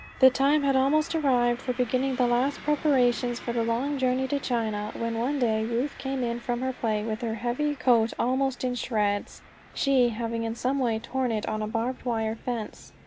The time had almost arrived for beginning the last preparations for the long journey to China, when one day Ruth came in from her play with her heavy coat almost in shreds, she having in some way torn it on a barbed wire fence.